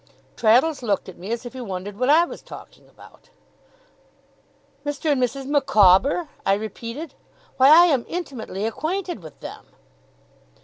Traddles looked at me, as if he wondered what I was talking about. 'Mr. and Mrs. Micawber!' I repeated. 'Why, I am intimately acquainted with them!